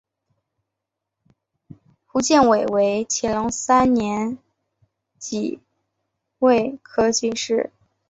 胡建伟为乾隆三年己未科进士。